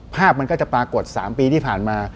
ภาพมันก็จะปรากฏ๓ปีที่ผ่านมา